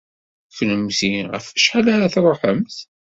Kennemti ɣef wacḥal ara tṛuḥemt?